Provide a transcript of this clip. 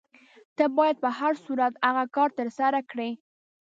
ته باید په هر صورت هغه کار ترسره کړې.